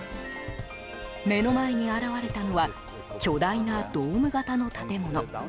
目の前に現れたのは巨大なドーム型の建物。